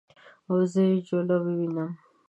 او زه یې جوله ووینم